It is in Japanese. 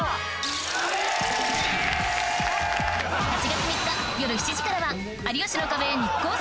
８月３日夜７時からは『有吉の壁』